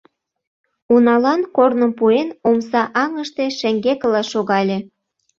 Уналан корным пуэн, омса аҥыште шеҥгекыла шогале.